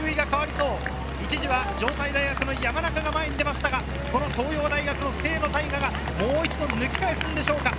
一時は城西大学の山中が前に出ましたが、東洋大学の清野太雅がもう一度、抜き返すのでしょうか。